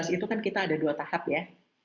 dua ribu empat belas itu kan kita ada dua tahap ya